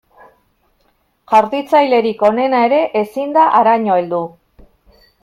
Jaurtitzailerik onena ere ezin da haraino heldu.